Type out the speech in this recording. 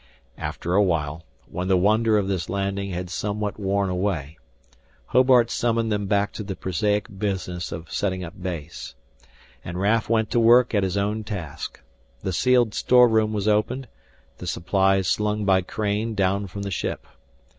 After a while, when the wonder of this landing had somewhat worn away, Hobart summoned them back to the prosaic business of setting up base. And Raf went to work at his own task. The sealed storeroom was opened, the supplies slung by crane down from the ship.